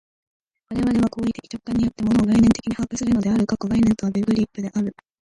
我々は行為的直観によって、物を概念的に把握するのである（概念とはベグリッフである）。